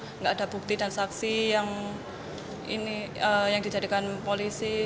tidak ada bukti dan saksi yang dijadikan polisi